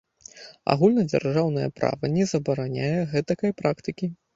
Агульнадзяржаўнае права не забараняе гэтакай практыкі.